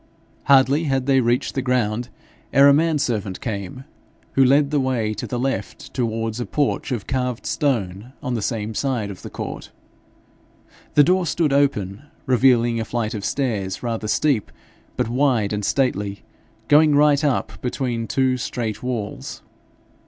Hardly had they reached the ground ere a man servant came, who led the way to the left towards a porch of carved stone on the same side of the court. The door stood open, revealing a flight of stairs, rather steep, but wide and stately, going right up between two straight walls.